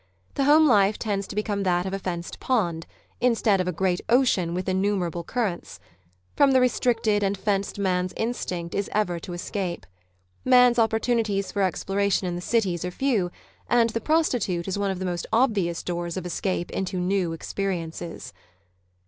The home life tends to become that of a fenced pond, instead of a great ocean with innumerable currents. From the restricted and fenced man's instinct is ever to escape. Man's oppor tunities for exploration in the cities are few, and the prostitute is one of the most obvious doors of escape into new experiences.